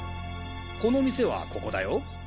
この店はここだよ。